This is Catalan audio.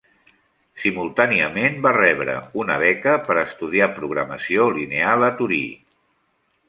Simultàniament va rebre una beca per estudiar programació lineal a Torí.